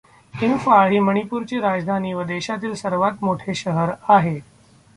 इंफाळ ही मणिपूरची राजधानी व देशातील सर्वात मोठे शहर आहे.